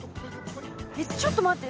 えっちょっと待って。